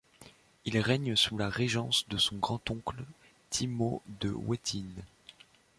Il règne sous la régence de son grand oncle Thimo de Wettin.